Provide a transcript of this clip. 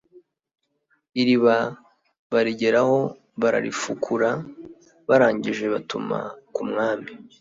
iriba barigeraho, bararifukura, barangije batuma ku mwami